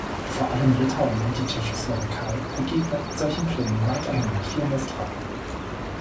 Vor allem Litauen und die Tschechoslowakei begegneten solchen Plänen weiterhin mit viel Misstrauen.